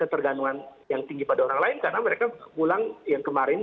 ketergantungan yang tinggi pada orang lain karena mereka pulang yang kemarin